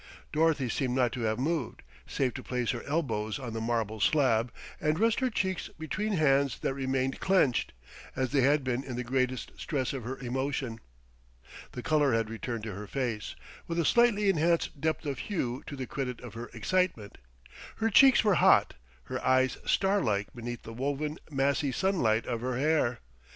Dorothy seemed not to have moved, save to place her elbows on the marble slab, and rest her cheeks between hands that remained clenched, as they had been in the greatest stress of her emotion. The color had returned to her face, with a slightly enhanced depth of hue to the credit of her excitement. Her cheeks were hot, her eyes starlike beneath the woven, massy sunlight of her hair.